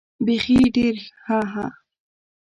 بېخي ډېر هههه.